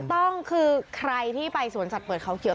ถูกต้องคือใครที่ไปสวนสัตว์เปิดเขาเขียว